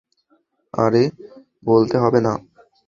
আরে, বলতে হবে না।